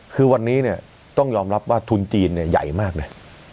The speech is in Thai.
คือวันนี้เนี่ยต้องยอมรับว่าทุนจีนเนี่ยใหญ่มากนะ